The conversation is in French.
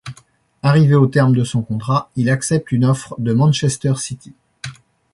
Arrivé au terme de son contrat, il accepte une offre de Manchester City.